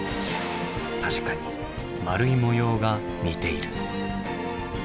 確かに丸い模様が似ている。